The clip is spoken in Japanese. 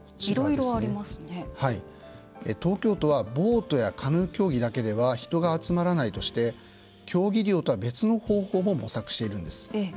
東京都はボートやカヌー競技だけでは人が集まらないとして競技利用とは別の方法も模索しているんです。